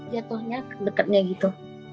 jatuhnya deketnya gitu